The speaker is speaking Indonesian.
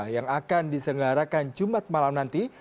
yang akan disenggarakan jumat malam nanti